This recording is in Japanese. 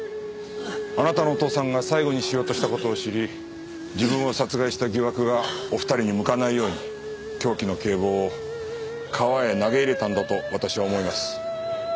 あなたのお父さんが最後にしようとした事を知り自分を殺害した疑惑がお二人に向かないように凶器の警棒を川へ投げ入れたんだと私は思います。